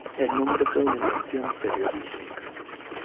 El nombre fue una invención periodística.